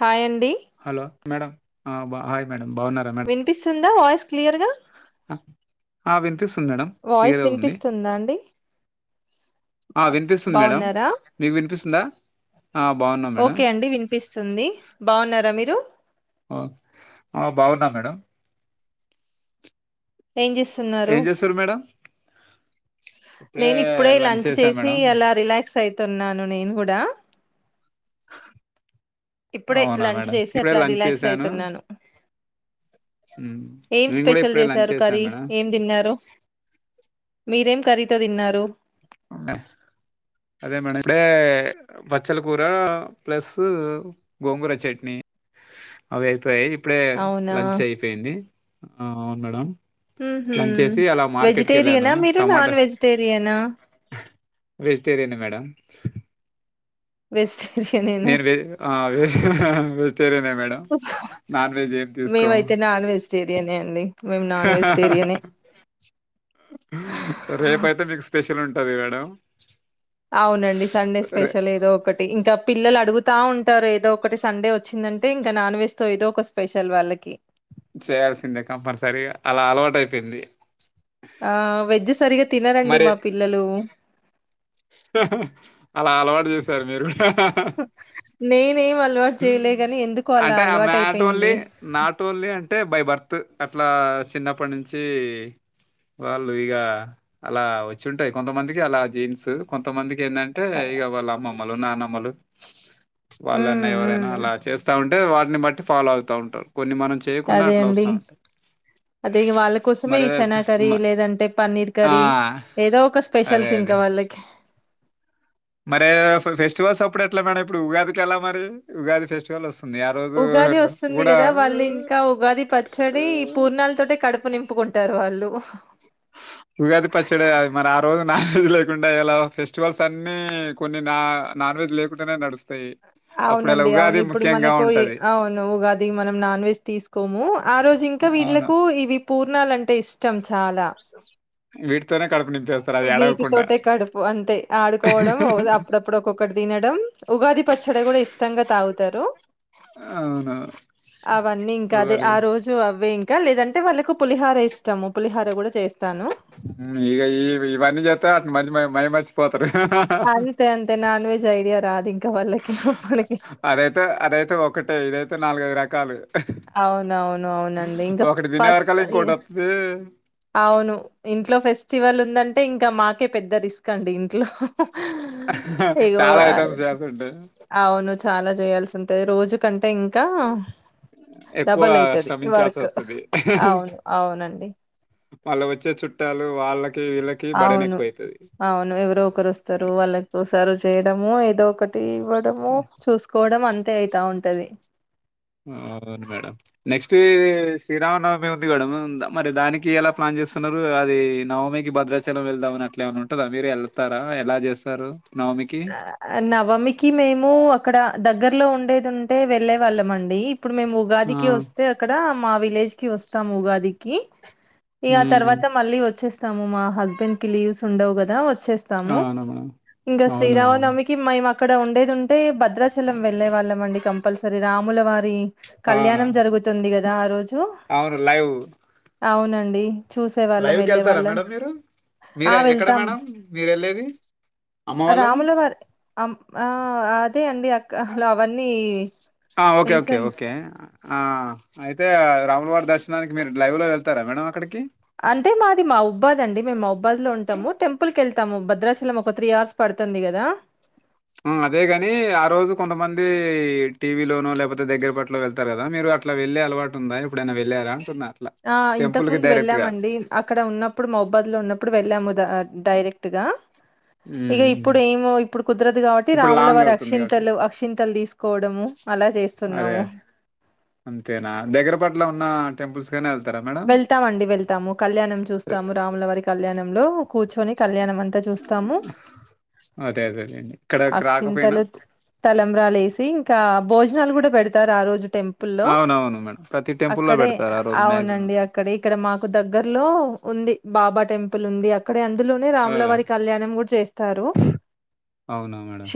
Hi అండీ hello madam అ బ హాయ్ మేడం వినిపిస్తుందా వాయిస్ క్లియర్ గా అ వినిపిస్తుంది మేడం వాయిస్ క్లియర్గా ఉంది వినిపిస్తుందా అండి ఆ అబ్- వినిపిస్తుంది మేడం బాగున్నారా మీకు వినిపిస్తుందా ఆ బాగున్నా మేడం ఓకే అండి వినిపిస్తుంది బాగున్నారా మీరు అ బాగున్నా మేడం ఏం జేస్తున్నారు ఏం చేస్తారు మేడం నేను ఇప్పుడే లంచ్ చేసాం చేసి మేడం అలా రిలాక్స్ అయితున్నాను నేను గూడా ఇప్పుడే అవునా లంచ్ మేడం చేసి ఇప్పుడే అట్లా లంచ్ రిలాక్స్ చేశాను అయితున్నాను ఉమ్, ఏం నేను కూడా స్పెషల్ ఇప్పుడే లంచ్ జేసారు కర్రి చేశాను మేడం ఏం దిన్నారు మీరేం కర్రి తో తిన్నారు మ్ అదే మేడం ఇప్పుడే బచ్చల కూర ప్లస్ గోంగూర చట్నీ అవి అయిపోయాయి ఇప్పుడే అవునా లంచ్ అయిపోయింది ఆ అవును మేడం ఉహు లంచేసి అలా మార్కెట్కి ఎళ్ళాను వెజిటేరియనా మీరు నాన్ టమాటాస్ వెజిటేరియనా వెజిటేరియన్ మేడం వెజిటేరియనేనా నేను వెజ్ ఆ వెజ్ హ హ వెజిటేరియన్ ఏ మేడం నాన్ వెజ్ ఏ మేమ అయితే నాన్ వెజిటేరియన్ ఏ హ హ రేపు అయితే మీకు స్పెషల్ ఉం సరే మేడం అవును అండి సండే రే స్పెషల్ ఏదో ఒకటి ఇంకా పిల్లలు అడుగుతా ఉంటారు, ఏదో ఒకటి సండే వచ్చింది. అంటే ఇంక నాన్ వెెజ్ తో ఏదో ఒక స్పెషల్ వాళ్ళకి చేయాల్సిందే కంపల్సరిగా అలా అలవాటయిపోయింది ఆ వెజ్జ్ సరిగా తినరండి మా పిల్లలు అలా అలవాటు చేశారు మీరు నేనేం అలవాటు చేయలే గాని ఎందుకో అలా అంటే ఆ అలవాటు మాటో ఓన్లీ అయిపోయింది నాట్ ఓన్లీ అంటే బై బర్త్ అట్లా చిన్నప్పటి నుంచి వాళ్ళు ఇగా అలా వచ్చుంటయి కొంతమందికి అలా జీన్స్ కొ కొంత మందికి ఏంది అంటే ఇగా వాళ్ళ అమ్మమ్మలు నానమ్మలు వాళ్ళ హ్మ్ ఎవరైనా హ్మ్ అలా చేస్తా ఉంటే వాటిని బట్టి ఫాలో అవుతా ఉంటారు కొన్ని మనం చేయకున్నా అట్లా వస్తా ఉంటాయి అది వాళ్ళ కోసమే మరే ఈ చనా కర్రీ లేదంటే పన్నీర్ ఆ కర్రీ ఏదో ఒక స్పెషల్ అదే సిం ఇంక అదే వాళ్ళకి మరే ఫెస్టివల్స్ అప్పుడు ఎట్ల మేడం ఇప్పుడు ఉగాదికి ఎలా మరి ఉగాది ఫెస్టివల్ వస్తుంది ఆ రోజు ఉగాది వస్తుంది కూడా గదా వాళ్ళు ఇంకా ఉగాది పచ్చడి పూర్ణాలతోటి కడుపు నింపు ప్పుకుంటారు ఉగాది పచ్చడ మరి ఆ రోజు నాన్ వెెజ్ లేకుండా ఎలా ఫెస్టివల్స్ అన్ని కొన్ని నా నాన్ వెెజ్ లేకుంటనే నడుస్తయి అవునండి అవును ఇప్పుడు మనకు ఇ అవును ఉగాది మనం నాన్ వెజ్ తీసుకోము ఆ రోజు ఇంక అవును వీళ్లకు ఇవి పూర్ణాలంటే ఇష్టం చాలా వీటితోనే కడుపు నింపేస్తారు అది ఏడవకుండా వీటితోటే కడుపు అంతే ఆడుకోవడం ఓ అప్పుడప్పుడు ఒక్కొక్కటి తినడం ఉగాది ప పచ్చడ కూడా ఇష్టంగ తాగుతరు అవును అవన్నీ ఇంక అదే ఉగాది ఆ రోజు అవే ఇం ఇంకా లేదంటే వాళ్ళకు పులిహార ఇష్టము పులిహార కూడా చేస్తాను ఊ ఇగ ఈ ఇవన్నీ చేత్త అట్ మ మైమర్చిపోత హహహ అంతే అంతే నాన్ వెజ్ ఐడియా రాదు ఇంకా వాళ్ళకి అప్పటికి అదైతే అదైతే ఒకటే ఇదైతే నాలుగైదు రకాలు అవునవును అవునండి ఇంక ఒకటి తినే ఫస్ వరకల్లా ఇ ఇంకోటి వత్తది అవును ఇంట్లో ఫెస్టివల్ ఉందంటే ఇంకా మాకే పెద్ద రిస్క్ అండి ఇంట్లో ఇగో చాలా ఆ ఐటమ్స్ చేస్తుంటాయి అవును చాలా చేయాల్సి ఉంటది రోజు కంటే ఇంకా ఎక్కువ డబల్ అయితది శ్రమించాల్సి వర్క్ వస్తది అవును అవునండి వాళ్ళు వచ్చే చుట్టాలు వాళ్ళకి వీళ్ళకి బడన్ అవును ఎక్కువ అయితది అవును ఎవరు ఒకరు వస్తారు వాళ్ళకు సరువు చేయ వడము ఏదో ఒకటి ఇవ్వడము చూసుకోవడం అంతే అయితా ఉంటది అవును మేడం నెక్స్ట్ శ్రీరామనవమి ఉంది మేడం ద మరి దానికి ఎలా ప్లాన్ చేస్తున్నారు అది నవమికి భద్రాచలం వెళ్దామ అని అట్లా ఏమన్న ఉంటందా మీరు వెళ్తారా ఎలా చేస్తారు నవమికి ఆ నవమికి మేము అక్కడ దగ్గరలో ఉండే దుంటే వెళ్లే వాళ్ళం అండి ఇప్పుడు మేము ఉగాదికి ఆ వస్తే అక్కడ మా విలేజ్ కి వస్తాము ఉగాది ఇగ ఆ హ్మ్. తరువాత మళ్ళి వచ్చేస్ తము మా హస్బెండ్ కి లీవ్స్ ఉండవు కదా వచ్చేస్తాము అవునా మేడం. ఇంగస్ అవునా! శ్రీరామనమికి మేము అక్కడ ఉండేది ఉంటే బద్ భద్రాచలం వెళ్లే వాళ్ళం అండి కంపల్సరీ రాముల వారి అవునా! కళ్యాణం జరుగుతుంది కద ఆ రోజు అవును లైవ్ అవునండి చూసే వాళ్ళం వెళ్ళే లైవ్‌కెళ్తారా వాళ్ళం మేడం మీరు? ఆ మీరే ఎక్కడ వెళ్తామ్ మేడం మీరెళ్ళేది? అమ్మ వాళ్ళది? రాముల వారి అమ్ ఆ అదే అండి అ అ ఆ ఓకే ఓకే మెన్షన్ ఓకే ఆ అయితే రాములవారి దర్శనానికి మీరు లైవ్ లో వెళ్తారా మేడం అక్కడికి అంటే మాది మావుబ్బాద్ అండి మేము మావుబ్బాద్ లో ఉంటాము టెంపుల్ కెళ్ తము భద్రాచలం ఒక త్రీ అవర్స్ పడుతుంది కదా ఆ అదేగాని ఆ రోజు కొంతమంది టీవీలోనొ లేకపోతే దగ్గర పట్లో వెళ్తారు కదా మీరు అట్లా వెళ్లే అలవాటు ఉందా ఎప్పుడైనా వెళ్ళారా అంటున్న ఆ ఇంతకు ముందు వెళ్ళామండి అక్కడ ఉన్నప్పుడు మొబాద్ లో ఉన్నప్పుడు వెళ్ళాము ద డైరెక్ట్గా ఇక హ్మ్. ఇప్పుడు ఏమో ఇప్పుడు కుదరదు కాబట్టి ఇప్పుడు రాముల లాంగ్ వారి అవుతుంది కాబట్టి. అక్షింతలు అక్షింతలు తీసుకోవడము అలా అదే. చేస్తున్నాము అంతేనా దగ్గర పట్ల ఉన్న టెంపుల్స్ కనే వెళ్తారా మేడం వెళ్తామండి వెళ్తాము కళ్యాణం చూస్తాము రాములవారి కళ్యాణంలో కూర్చొని కళ్యాణం అంతా చూస్తాము అదే అదేలేండి ఇక్కడకి రాకపోయినా అక్షింతలు తలంబ్రాలు వేసి ఇంకా భోజ్ జనాలు కూడా పెడతారు ఆ రోజు టెంపుల్ లో అవునవును మేడం ప్రతి టెంపుల్లో అక్కడే పెడతారు ఆ రోజు అవును మ్యాక్సిమం నండి అక్కడ ఇక్కడ మాకు దగ్గర్లో ఉంది బాబా టెంపుల్ ఉంది అక్క అే అందులోనే రాముల అదే వారి కళ్యాణం కూడా చేస్తారు అవునా మేడం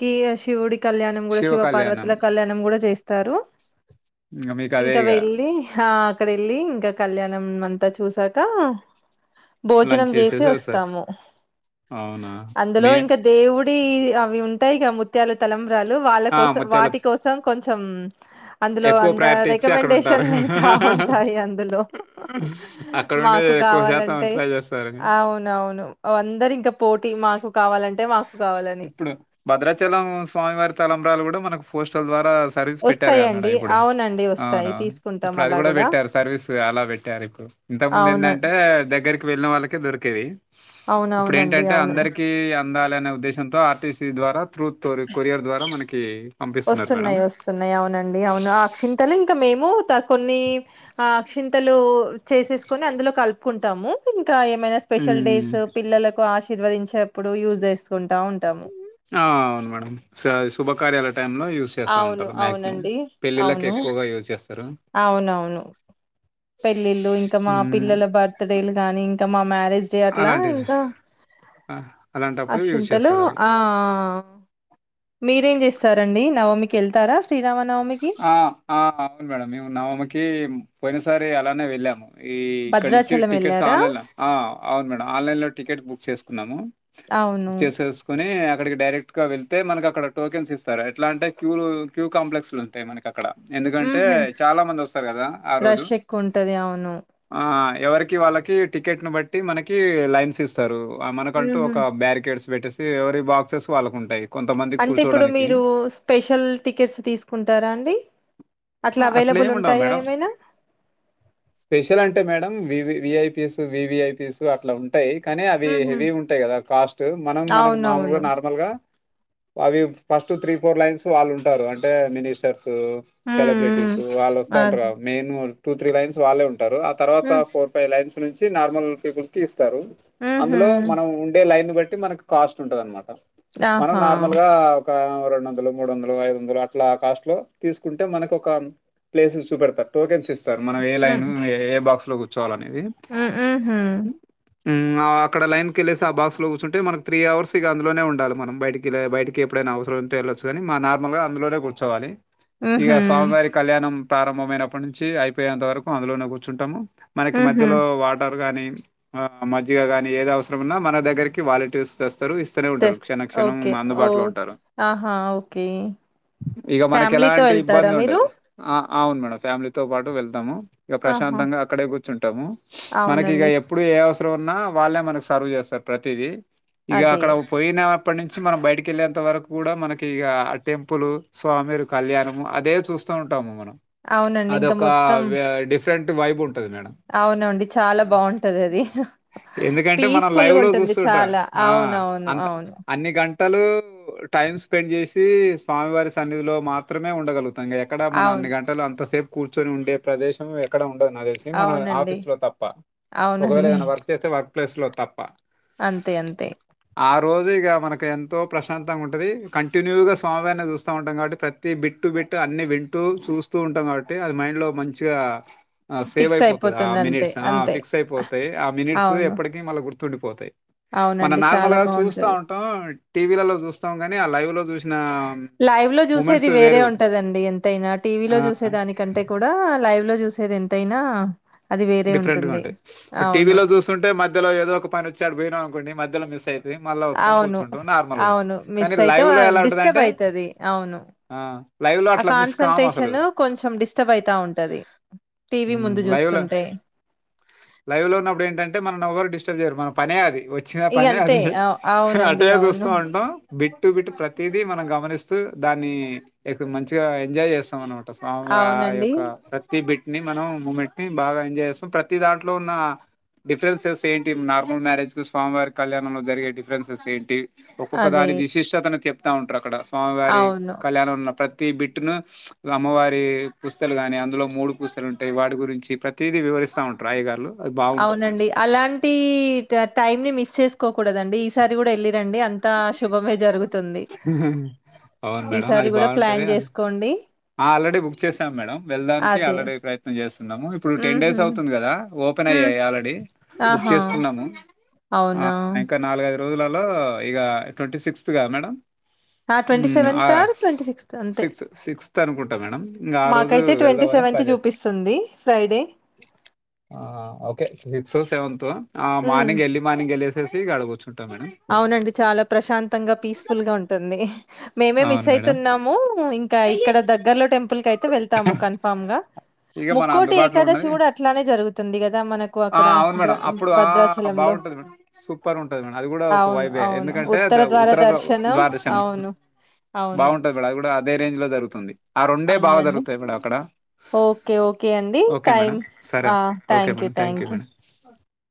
కి శివుడి కళ్యాణం కూడా శివ పార్వతుల కళ్యాణం కూడా చేస్తారు ఇంక మీకు అదే ఇంకా ఇక వెళ్ళి ఆ అక్కడ వెళ్ళి ఇంకా కళ్యాణం అంతా చూసాక లంచ్ భోజనం చేసి చేసేసి వస్తారు వస్తాము అవునా అందులో మీ ఇంకా దేవు ఈ అవి ఉంటాయిక ముత్యాలు తలంబరాలు వాళ్ళ ఆ కోసం ముత్యాల వాటి కోసం కొంచెం అందులో ఎక్కువ అంత ప్రయారిటీ ఇచ్చి అక్కడ ఉంటారు రికమెండేషన్ల్ అయితా ఉం టాయి అందులో అక్కడ ఉండి మాకు ఎక్కువ శాతం కావాలంటే ట్రై చేస్తారని అవునవును అందరు ఇంకా పోటీ మాకు కావాలంటే మాకు కావాలని. ఇప్పుడు భద్రాచలం స్వామివారి తలంబరాలు కూడా మనకు పోస్టల్ ద్వారా సర్వీస్ పెట్టారు కదా మేడం వస్తాయండి. ఇప్పుడు అవునండి వస్తాయి. అవును తీసుకుంటాం ఇప్పుడు అది అలా కూడా గూడా. పెట్టారు సర్వీస్ అలా పెట్టారు ఇప్పుడు ఇంత ముందు అవును. ఏందంటే దగ్గరికి వెళ్ళిన వాళ్ళకే దొరికేవి ఇప్పుడు అవునవునండి. ఏంటంటే అవును. అందరికి అందాలనే ఉద్దేశంతో ఆర్టీసీ ద్వారా త్రూత్ కొరియర్ ద్వారా మనకి పంపిస్తున్నారు మేడం వస్తున్నాయి వస్తున్నాయి అవునండి అవును ఆ అక్షింతలు ఇంకా మేం ము త కొన్ని అక్షింతలు చేసేసుకుని అందులో కలుపుకుంటాము ఇంకా ఏమైనా స్పెషల్ డేస్ పిల్లలకు ఆశీర్వదించ ఆ అవును మేడం షా శుభ కార్యాల టైంలో లో యూస్ చేస్తా అవును ఉంటారు మాక్సిమం అవునండి పెళ్లిళ్లకి అవును ఎక్కువగా యూజ్ చేస్తారు అవునవును పెళ్ళిళ్ళు ఇంకా మా హ్మ్. పిల్లల బర్త్ డేలు గాని ఇంకా మా మ్యారేజ్ డే అట్లా అలాంటిది ఇంకా ఆ! అలాంటప్పుడు యూజ్ అక్షంతలు చేస్తారు అది ఆ ఆ ఆ మీరేం చేస్తారండి నవమి కెళ్తారా శ్రీరామన్ ఆ ఆ అవును మేడం మేము నవమి కి పోయినసారి అలానే వెళ్ళాము ఈ ఇక్కడ నుంచి భద్రాచలం టికెట్స్ వెళ్ళారా ఆన్లైన్ ల ఆ అవును మేడం ఆన్లైన్ లో టికెట్ బుక్ చేసుకున్నాము అవును చేసేసుకుని అక్కడికి డైరెట్గా వెళ్తే మన అక్కడ టోకెన్స్ ఇస్తారు ఎట్లా అంటే క్యూ క్యూంప్లెక్స్లు ఉంటాయి మన అక్కడ ఎందుకంటే ఉహు చాలా మంది వస్తారు కదా ఆ రోజు రష్ ఎక్కువ ఉంటది అవును. ఆ ఎవరికి వాళ్ళకి టికెట్ను బట్టి మనకి లైన్స్ ఇస్తారు మనకంటూ హుహు. ఒక బ్యారికేడ్స్ పెట్టేసి ఎవరి బాక్సెస్ వాళ్ళకుంటాయి కొంతమందికి అంటే ఇప్పుడు కూర్చోవడానికి. మీరు స్పెషల్ టికెట్స్ తీసుకుంటారా అండి అట్లా అవైలబుల్ ఏమి ఉండవు ఉంటాయా మేడం ఏమైనా? స్పెషల్ అంటే మేడం వివి విఐపీస్ వివిఐపిస్ అట్లా ఉం ఉంటాయి కానీ అవి హుహు. హెవీగా ఉంటాయి కదా కాస్ట్ మనం మనకు మామూలుగా అవునవును. నార్మల్ గా అవి ఫస్ట్ త్రీ ఫోర్ లైన్స్ వాళ్ళు ఉంటారు అంటే మినిస్టర్స్ హ్మ్. హ్మ్. సెలబ్రిటీస్ వాళ్ళు వస్తా ఉంటారు అది. మెయిన్ టూ త్రీ లైన్స్ వాళ్ళే ఉంటారు ఆ తర్వాత హ్మ్. ఫోర్ ఫైవ్ లైన్స్ నుంచి నార్మల్ పీపుల్స్ కి ఇస్తరూ హుహు. అందులో మనం ఉండే లైన్ బట్ ట్టి మనకి కాస్ట్ ఉంటంది అనమాట మనం ఆహా! నార్మల్ గా ఒక రెండు వందలు మూడు వందలు ఐదు వందలు అట్లా కాస్ట్ లో తీసు కుంటే మనకొకమ్ ప్లేసెస్ చూపెడతారు టోకెన్ ఇస్తారు మనం ఏ లైన్ ఏ బాక్స్ లో కూర్చొవాలన్ ఆ హ్ హా ఉమ్ అక్కడ లైన్కి ఎల్లెసి ఆ బాక్స్ లో కూర్చంటే మనకి త్రి అవర్స్ ఇగ అందులోనే ఉండాలి మనం బయటికి ల బయటికి ఎప్పు ఎప్పుడైనా అవసరం ఉంటే వెళ్ళొచ్చు గనీ మా నార్మల్గా అందులోనే కూర్చోవాలి ఇగ హుహు. స్వామివారి కళ్యాణం ప్రారంభమైనప్పటి నుంచి అయిపోయేంత వరకు అందులోనే కూర్చుంటాము మనకి హుహు. మధ్యలో వాటర్ గని మజ్జిగ గాని ఏద అవసరం ఉన్నా మన దగ్గరికి వాలింటీర్స్ స్తారు ఇస్తనే ఉంటారు తెస్త క్షణ క్షణం ఓకే. అందుబాటులో ఓహ్! ఉంటారు ఆహా! ఓకే. ఇగ మనకి ఫ్యామిలీతో ఎలాంటి ఎళ్తారా ఇబ్బంది మీరు? ఉండదు ఆ అవును మేడం ఫ్యామిలీతో పాటు వెళ్తాము ఇక ఆహా! ప్రశాంతంగా అక్కడే కూర్చుంటమ్ మనకి ఇక అవునండి. ఎప్పుడు ఏ అవస్ రం ఉన్నా వాళ్ళే మనకు సర్వ్ చేస్తరు ప్రతిది ఇగ అదే. అక్కడ పోయిన ఇప్పటి నుంచి మనం బయటకిళ్ళేంత వరకు కూడా మనకి ఇ ఆ టెంపుల్ స్వామిర్ కళ్యాణం అదే చూస్తూ ఉంటాము మనం అవునండి. ఇంకా అదొక మొత్తం వే డిఫరెంట్ వైబ్ ఉంటుంది అవునండి చాలా బావుంటది అది ఎందుకంటే మనం లైవ్ లో చూస్తుంటాం ఆ అవునవును అంత అవును అన్ని గంట టలు టైమ్ స్పెండ్ చేసి స్వామివారి సన్నిధిలో మాత్రమే ఉండగలుగుతము ఎక్కడ మన అన్ని అవును గంటలు అంతసేపు కూర్చొని ఉండే ప్రదేశం ఎక్కడ ఉ అదేసి మన అవునండి ఆఫీస్ లో తప్ప ఒకవేళ అవునండి ఏదైనా వర్క్ చేస్తే వర్క్ ప్లేస్ లో తప్ప అంతే అంతే ఆ రోజు ఇగ మనకు ఎంతో ప్రశాంతంగా ఉంటది కంటిన్యూగా స్వామి వారిని చూస్థా ఉంటాం కాబట్టి ప్రతి బిట్టు బిట్టు అన్ని వింటూ చూస్తూ ఉంటాం కాబట్టి అది మైండ్ లో మంచిగా ఆ సేవ్ ఫిక్స్ అయిపోతుంది ఆ అంతే మినిట్స్ ఆ అంతే ఫిక్స్ అయిపోతాయి ఆ మినిట్స్ అవును ఎప్పటికీ మళ్ళీ గుర్తుండిపోతాయి మనం అవునండి నార్మల్ చాలా గా చూస్తా బాగుంటది ఉంటాం టీవీ లలో చూస్తాం కానీ ఆ లైవ్ లో సూచిన మూమెంట్స్ వరే వేరుగుంటాయి. ఉంటదండి ఎంతైనా టీవీ లో ఆ! చూసే దానికంటే కూడా లైవ్ లో చూసేది ఎంతైనా అది వేరే ఉంటుంది డిఫరెంట్గాంటాయి ఇప్పుడు టీవీ అవును లో చూసుంటే మధ్యలో ఏదో ఒక పని వచ్చ అటు పోయినా అనుకోండి మధ్యలో మిస్ ఇతం అవును అవును మిస్ కానీ లైవ్‌లో అయితం ఎలా డిస్టర్బ్ ఉంటదంటే అయితది అవును ఆ! లైవ్‌లో ఆ అట్లా మిస్ కామసలు. కాన్సన్ంట్రేషన్ కొంచెం డిస్టర్బ్ అయితా ఉంటది టీవీ హ్మ్. ముందు లైవ్‌లో జూస్తుంటే లైవ్ లో ఉన్నప్పుడు ఏంటంటే మనం ఎవరు డిస్టర్బ్ చేయరు మనం పనే అది వచ్చిన ఇగ పనె అంతే అది అవ్ అవునండి అటే అవును చూస్తూ ఉంటాం బిట్టు బిట్టు ప్రతి దిది మనం గమనిస్తూ దాన్ని మంచిగా ఎంజాయ్ చేస్తాం అనమాట స్వామిారి ఆ అవునండి యొక్క ప్రతి బిట్ ని మనం మూమెంట్ ని బాగా ఎజాయ్ చేస్తా ప్రతి దాంట్లో ఉన్న డిఫరెన్సెస్ ఏంటి నార్మల్ మ్యారేజ్ కు స్వామివారి కళ్యాణంలో జరిగే డిఫరెన్సెస్ ఏంటి ఒక్కొక్క అదే దాని విశిష్టతను చెప్తా ఉంటారు అక్కడ స్వామివారి అవును కళ్యాణంలో ఉన్న ప్రతి ప్రతి బిట్ను అమ్మవారి పుస్తలు గాని అందులో మూడు పుస్తలు ఉంటాయి వాటి గురించి ప్రతిదీ వివరి స్తా ఉంటరు. అయ్యగార్లు అవునండి అలాంటి టైమ్ ని మిస్ చేసుకోకూడదండి ఈసారి కూడా వెళ్ళి రండి అంత శుభమే జరుగుతుంది అవును ఈసారి కూడా ప్లాన్ చేసుకోండి ఆల్రడీ బుక్ చేసాం మేడం వెళ్దానికి అదే ఆల్రడీ ప్రయత్నం ఇప్పుడు టెన్ ఊహు డేస్ అవుతుంది కదా ఓపెన్ హ్మ్ అయ్యాయి ఆల్రెడీ బుక్ ఆహా చేసుకున్నాము ఆ అవునా ఇంకా నాలుగైదు రోజులలో ఇగ ట్వంటీ సిక్స్త్ గ మేడం ఆ ఉ ట్వంటీ ఆ సెవెంత్ ఆర్ ట్వంటీ సిక్స్త్ అంతే సిక్స్ సిక్స్ అనుకుంటాం మేడం ఇంకా ఆ రోజు మాకైతే ట్వంటీ వెళ్దామనే సెవెంత్ ప్లాన్ చేస్తా చూపిస్తుంది ఫ్రైడే ఓకే సిక్స్ సెవెన్తు ఆ హ్మ్ మార్నింగ్ ఎల్లీ మార్నింగ్ ఎ సిక్స్ ఫ్రీగా అడగవచ్చు అవునండి చాలా ప్రశాంతంగా పీస్ఫుల్ గా ఉంటుంది మేమే మిస్ అవును మేడం అయితున్నాము ఇంకా ఇక్కడ దగ్గర్లో టెంపుల్ ప్పులకయితే వెళ్తాము కన్ఫామ్ గా ఇక మన ముక్కోటి అందుబాటులో ఏకాదశి ఉన్నది కూడా అట్లానే జరుగుతుంది కదా మనకు అక్కడ భద్రాచలంలో ఉంటది మేడం సూపర్ ఉంటది మేడం అది కూడా ఒక అవును. వైబే అవును. ఎందుకంటే ద్వార ఉత్తర దర్శనం. దవాదశం అవును. అవును. బాగుంటుది బేడ అది కూడా అదే రేంజ్ లో జరుగుతుంది ఆ రెండే బాగా అవునండి జరుగుతాయి మేడం అక్కడ ఓకే ఓకే అండి ఓకే థైమ్ మేడం సరే okay thank you madam thank you madam